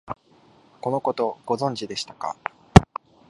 このこと、ご存知でしたか？